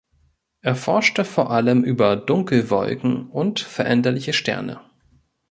Er forschte vor allem über Dunkelwolken und Veränderliche Sterne.